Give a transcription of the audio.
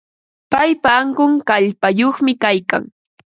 Paypa ankun kallpayuqmi kaykan.